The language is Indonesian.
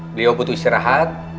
beliau butuh istirahat